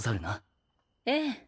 ええ。